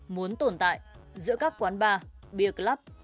muốn tồn tại giữa các quán bar beer club